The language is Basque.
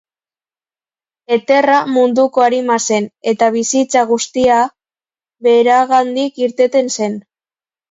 Eterra, munduko arima zen, eta bizitza guztia, beragandik irteten zen.